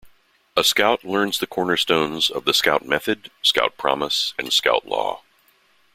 A Scout learns the cornerstones of the Scout method, Scout Promise, and Scout Law.